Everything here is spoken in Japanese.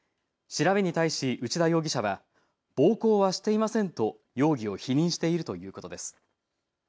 調べに対し内田容疑者は暴行はしていませんと容疑を否認しているということです。